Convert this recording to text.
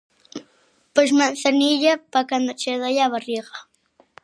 Pois manzanilla pa cando che doia a barrigha.